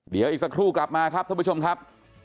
เดี๋ยวอีกสักครู่กลับมาครับท่านผู้ชมครับ